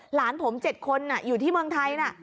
หลานผม๗คนอยู่ที่เมืองไทยนะ